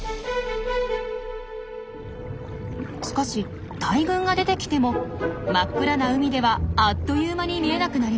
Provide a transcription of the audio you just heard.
しかし大群が出てきても真っ暗な海ではあっという間に見えなくなります。